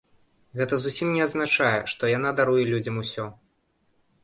Гэта зусім не азначае, што яна даруе людзям усё.